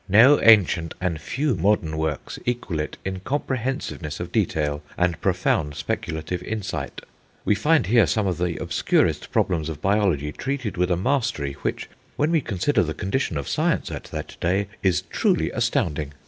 "No ancient and few modern works equal it in comprehensiveness of detail and profound speculative insight. We here find some of the obscurest problems of biology treated with a mastery which, when we consider the condition of science at that day, is truly astounding.